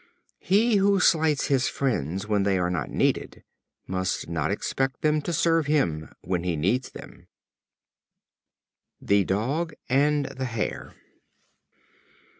He who slights his friends when they are not needed must not expect them to serve him when he needs them. The Dog and the Hare.